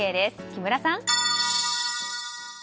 木村さん。